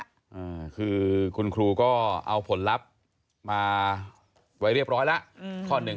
อ่าคือคุณครูก็เอาผลลัพธ์มาไว้เรียบร้อยแล้ว